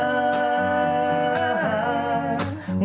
kau dengan bangga